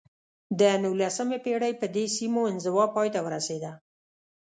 د نولسمې پېړۍ په دې سیمو انزوا پای ته ورسېده.